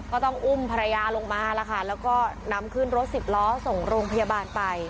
ก็ต้องอุ้มภรรยาลงมาแล้วค่ะแล้วก็นำขึ้นรถสิบล้อส่งโรงพยาบาลไป